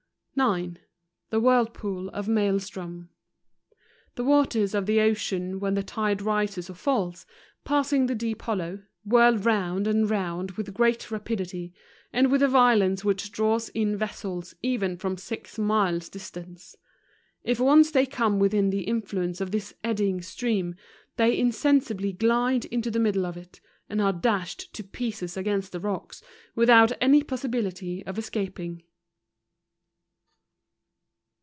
18 NORWAY. 9 . The Whirlpool of Maelstroom. The waters of the ocean when the tide rises or falls, passing this deep hollow, whirl round and round with great rapidity; and with a violence which draws in vessels even from six miles dis¬ tance. If once they come within the influence of this eddying stream, they insensibly glide into the middle of it; and arc dashed to pieces against the rocks, without any possibility of escaping.